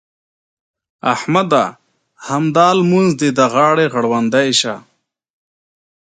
احمده! همدا لمونځ دې د غاړې غړوندی شه.